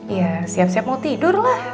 iya siap siap mau tidur lah